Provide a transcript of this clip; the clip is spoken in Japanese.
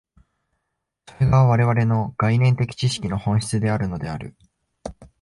それが我々の概念的知識の本質であるのである。